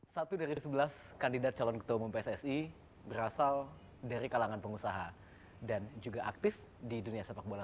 satu dari sebelas kandidat calon ketua umum pssi berasal dari kalangan pengusaha dan juga aktif di dunia sepak bola